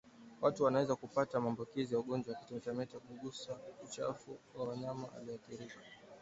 Watu wanaweza kupata maambukizi ya ugonjwa wa kimeta kwa kugusa uchafu wa wanyama walioathirika